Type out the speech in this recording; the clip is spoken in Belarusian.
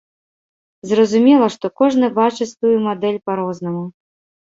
Зразумела, што кожны бачыць тую мадэль па-рознаму.